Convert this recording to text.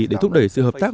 để thúc đẩy sự hợp tác